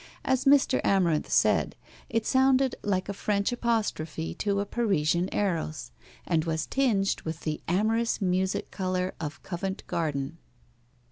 As Mr. Amarinth said, it sounded like a French apostrophe to a Parisian Eros, and was tinged with the amorous music colour of Covent Garden.